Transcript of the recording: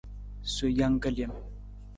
Sowa jang ka lem.